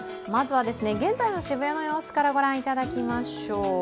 まずは現在の渋谷の様子から御覧いただきましょう。